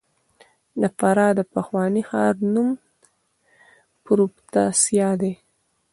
د فراه د پخواني ښار نوم پروفتاسیا و